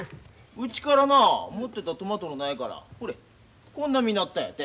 うちからな持ってったトマトの苗からほれこんな実なったんやて。